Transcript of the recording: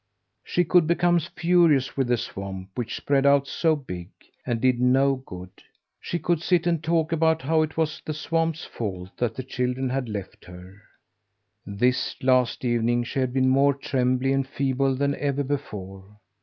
She could become furious with the swamp which spread out so big, and did no good. She could sit and talk about how it was the swamp's fault that the children had left her. This last evening she had been more trembly and feeble than ever before.